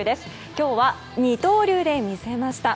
今日は二刀流で見せました。